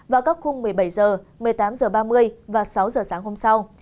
vào các khung một mươi bảy h một mươi tám h ba mươi và sáu h sáng hôm sau